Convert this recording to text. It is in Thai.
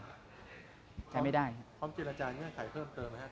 คอมกิจกรรมคลายเพิ่มเติมหรือแหละครับ